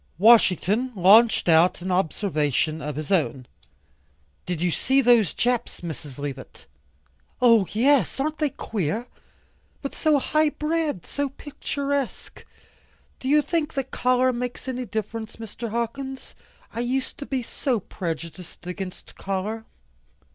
Washington launched out an observation of his own. "Did you see those Japs, Miss Leavitt?" "Oh, yes, aren't they queer. But so high bred, so picturesque. Do you think that color makes any difference, Mr. Hawkins? I used to be so prejudiced against color."